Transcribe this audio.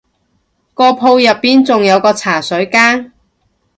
個鋪入面仲有個茶水間